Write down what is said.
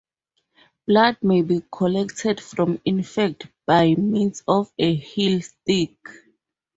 Blood may be collected from infants by means of a heel stick.